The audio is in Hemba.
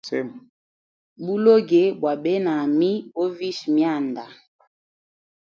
Buloge bwa benami, bovisha mianda.